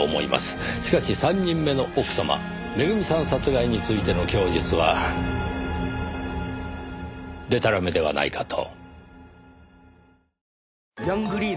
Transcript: しかし３人目の奥様めぐみさん殺害についての供述はでたらめではないかと。